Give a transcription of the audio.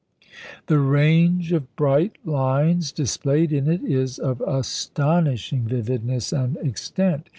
The range of bright lines displayed in it is of astonishing vividness and extent.